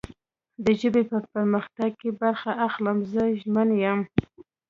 د ژبې په پرمختګ کې برخه اخلم. زه ژمن یم